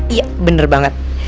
iya bener banget